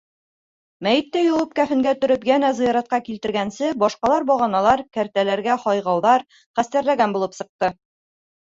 Мәйетте йыуып, кәфенгә төрөп, йәнә зыяратҡа килтергәнсе башҡалар бағаналар, кәртәләргә һайғауҙар хәстәрләгән булып сыҡты.